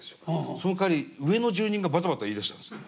そのかわり上の住人がバタバタいいだしたんですよ。